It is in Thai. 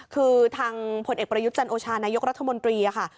คือทางผลเอกประยุทธ์จันโอชานายกรัฐมนตรีค่ะ